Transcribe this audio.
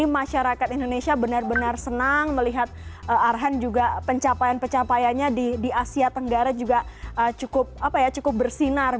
masyarakat indonesia benar benar senang melihat arhan juga pencapaian pencapaiannya di asia tenggara juga cukup bersinar